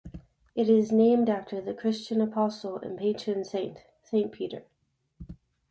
It is named after the Christian Apostle and patron saint, Saint Peter.